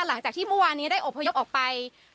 หลังจากที่มั่ววันนี้ได้โอปยกออกไป